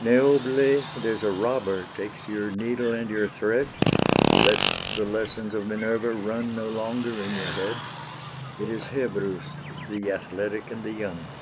Neobule, there's a robber takes your needle and your thread, Lets the lessons of Minerva run no longer in your head; It is Hebrus, the athletic and the young!